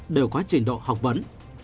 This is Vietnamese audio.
đều có trình độ học vấn